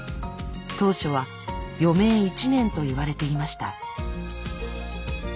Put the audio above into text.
当初は余命１年と言われていました。